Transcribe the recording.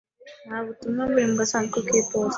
Nta butumwa buri mu gasanduku k'iposita.